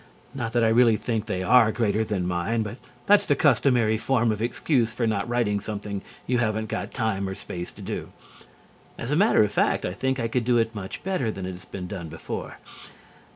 (Not that I really think that they are greater than mine, but that's the customary form of excuse for not writing something you haven't got time or space to do. As a matter of fact, I think I could do it much better than it has ever been done before).